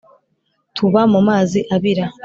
tuba mu mazi abira